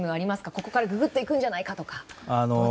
ここからググっていくんじゃないかとか。